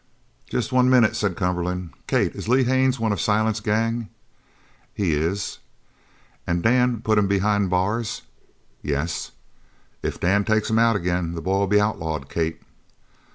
"Jest one minute," said Cumberland. "Kate, is Lee Haines one of Silent's gang?" "He is." "An' Dan put him behind the bars?" "Yes." "If Dan takes him out again the boy'll be outlawed, Kate."